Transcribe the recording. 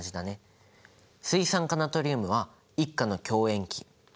水酸化ナトリウムは１価の強塩基。